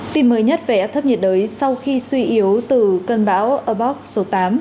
tìm mới nhất về áp thấp nhiệt đới sau khi suy yếu từ cơn bão apoch số tám